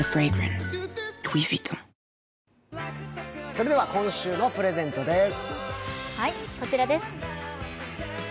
それでは今週のプレゼントです。